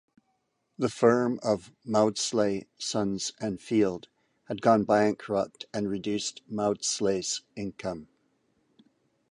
The firm of "Maudslay, Sons and Field" had gone bankrupt and reduced Maudslay's income.